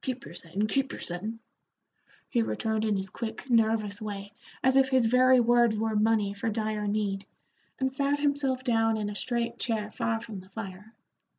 "Keep your settin', keep your settin'," he returned in his quick, nervous way, as if his very words were money for dire need, and sat himself down in a straight chair far from the fire.